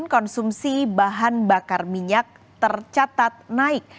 konsumsi bahan bakar minyak tercatat naik